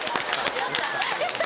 やった。